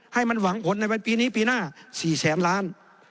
ให้มันหวังผลในวันปีนี้ปีหน้า๔แสนล้าน